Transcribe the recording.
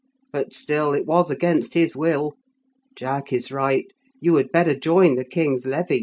But still, it was against his will. Jack is right; you had better join the king's levy."